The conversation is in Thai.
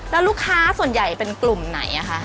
แล้วลูกค้าส่วนใหญ่เป็นกลุ่มไหนคะ